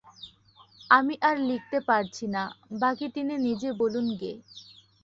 আমি আর লিখতে পারছি না, বাকী তিনি নিজে বলুন গে।